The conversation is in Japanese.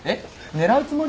狙うつもり？